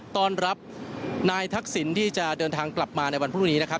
ต้อนรับนายทักษิณที่จะเดินทางกลับมาในวันพรุ่งนี้นะครับ